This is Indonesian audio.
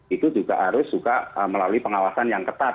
itu juga harus juga melalui pengawasan yang ketat